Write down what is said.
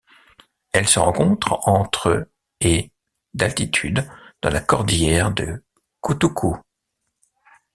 Elle se rencontre entre et d'altitude dans la cordillère de Kutukú.